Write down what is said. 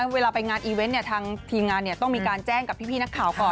เวลาไปงานอีเวนต์ทางทีมงานต้องมีการแจ้งกับพี่นักข่าวก่อน